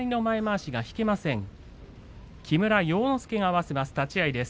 木村要之助が合わせます。